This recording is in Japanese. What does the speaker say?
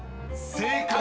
［正解！